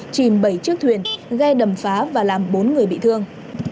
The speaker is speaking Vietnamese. chìm bảy chiếc thuyền ghe đầm phá và làm bốn người bị thương